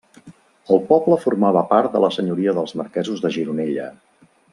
El poble formava part de la senyoria dels marquesos de Gironella.